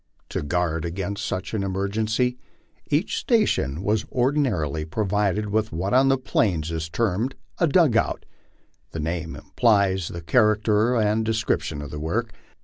To guard against such an emergency, each sta tion was ordinarily provided with what on the Plains is termed a " dug out." The name implies the character and description of the work.